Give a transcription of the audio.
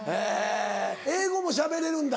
英語もしゃべれるんだ？